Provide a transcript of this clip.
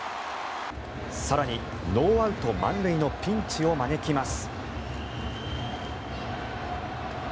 更に、ノーアウト満塁のピンチを招きます。